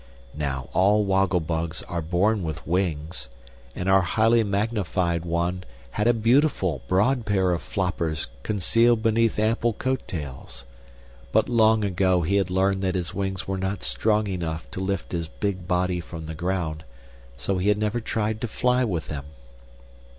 Now all woggle bugs are born with wings, and our highly magnified one had a beautiful, broad pair of floppers concealed beneath ample coat tails. But long ago he had learned that his wings were not strong enough to lift his big body from the ground, so he had never tried to fly with them.